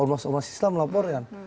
ormas ormas islam melapor kan